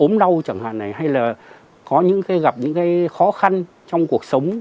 cốm đau chẳng hạn này hay là gặp những khó khăn trong cuộc sống